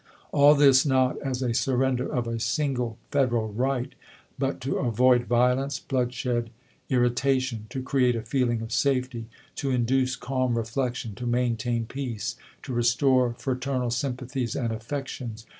All this not as a surrender of a single Federal right, but to avoid violence, bloodshed, irritation ; to create a feeling of safety ; to induce THE CALL TO AEMS 75 calm reflection ; to maintain peace ; to restore fra chap. iv. ternal sympathies and affections.